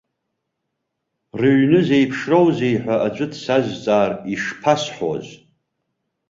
Рыҩны зеиԥшроузеи ҳәа аӡәы дсазҵаар, ишԥасҳәоз?